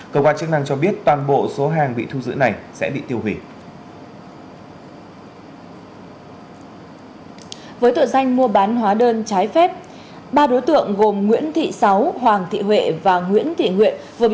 công an chức năng cho biết toàn bộ số hàng bị thu giữ này sẽ bị tiêu hủy